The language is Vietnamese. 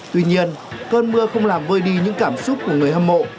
tuy nhiên cơn mưa không làm vơi đi những cảm xúc của người hâm mộ